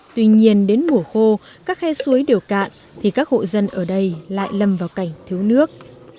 tuy nhiên đến mùa khô các khe suối đều cạn thì các hộ dân ở đây lại lâm vào cảnh thiếu nước